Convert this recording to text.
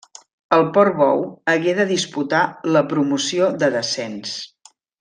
El Port-Bou hagué de disputar la promoció de descens.